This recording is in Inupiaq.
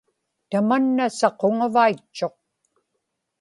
tamanna saquŋavaitchuq